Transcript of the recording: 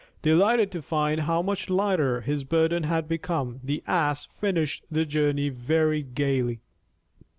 Delighted to find how much lighter his burden had become, the Ass finished the journey very gayly.